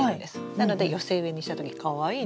なので寄せ植えにしたときかわいいんですよ。